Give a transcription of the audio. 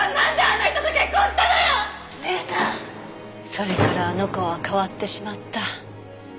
それからあの子は変わってしまった。